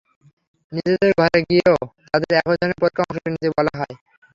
নিজেদের ঘরে গিয়েও তাঁদের একই ধরনের পরীক্ষায় অংশ নিতে বলা হয়।